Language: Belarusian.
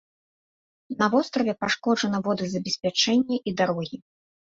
На востраве пашкоджана водазабеспячэнне і дарогі.